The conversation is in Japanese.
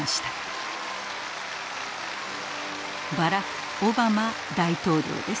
バラク・オバマ大統領です。